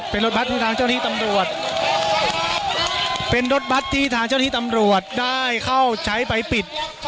เป็นรถบัตรของทางเจ้าที่ตำรวจเป็นรถบัตรที่ทางเจ้าที่ตำรวจได้เข้าใช้ไปปิด